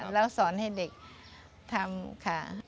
แล้วสอนให้เด็กทำขา